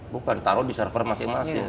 bukan taruh di server masing masing